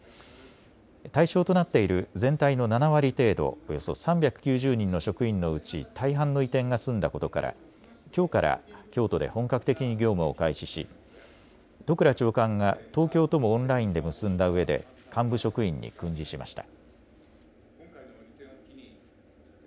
対象となっている全体の７割程度およそ３９０人の職員のうち大半の移転が済んだことからきょうから京都で本格的に業務を開始し都倉長官が東京ともオンラインで結んだうえで幹部職員に訓示しました。